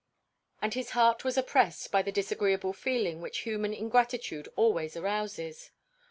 And his heart was oppressed by the disagreeable feeling which human ingratitude always arouses.